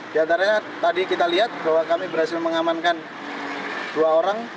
di antaranya tadi kita lihat bahwa kami berhasil mengamankan dua orang